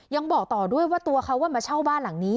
ยังบอกต่อด้วยว่าตัวเขามาเช่าบ้านหลังนี้